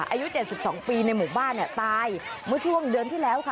อายุ๗๒ปีในหมู่บ้านเนี่ยตายเมื่อช่วงเดือนที่แล้วค่ะ